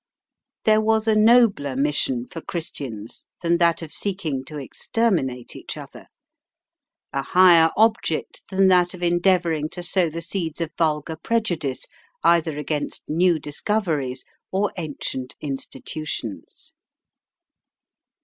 There was a nobler mission for Christians than that of seeking to exterminate each other, a higher object than that of endeavouring to sow the seeds of vulgar prejudice either against new discoveries or ancient institutions.